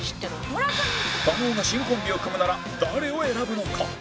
加納が新コンビを組むなら誰を選ぶのか？